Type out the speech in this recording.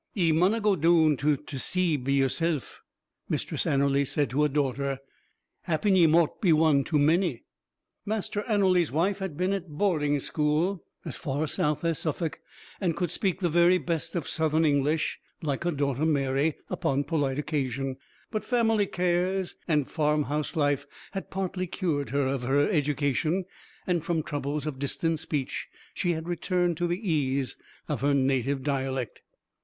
"Ye munna gaw doon to t' sea be yersell," Mistress Anerley said to her daughter: "happen ye mought be one too many." Master Anerley's wife had been at "boarding school," as far south as Suffolk, and could speak the very best of southern English (like her daughter Mary) upon polite occasion. But family cares and farm house life had partly cured her of her education, and from troubles of distant speech she had returned to the ease of her native dialect.